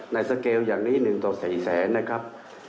ในสเกลอย่างนี้หนึ่งต่อสี่แสนนะครับ